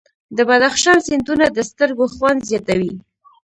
د بدخشان سیندونه د سترګو خوند زیاتوي.